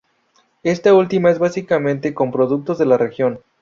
Esta última es básicamente con productos de la región.